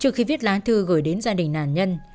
trước khi viết lá thư gửi đến gia đình nạn nhân